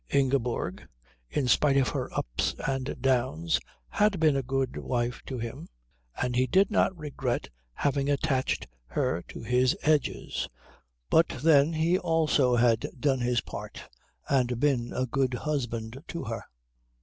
Ingeborg, in spite of her ups and downs, had been a good wife to him, and he did not regret having attached her to his edges, but then he also had done his part and been a good husband to her.